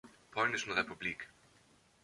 Polnischen Republik.